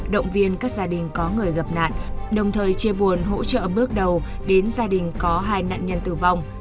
động viên các gia đình có người gặp nạn đồng thời chia buồn hỗ trợ bước đầu đến gia đình có hai nạn nhân tử vong